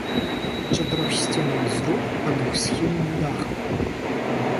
Чатырохсценны зруб пад двухсхільным дахам.